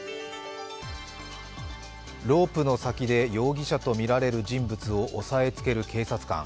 ロープの先で容疑者とみられる人物を押さえつける警察官。